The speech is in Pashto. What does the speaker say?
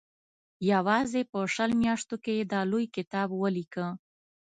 یوازې په شلو میاشتو کې یې دا لوی کتاب ولیکه.